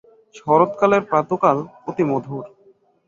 শরৎকালের প্রাতঃকাল অতি মধুর।